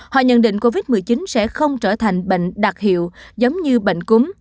họ nhận định covid một mươi chín sẽ không trở thành bệnh đặc hiệu giống như bệnh cúm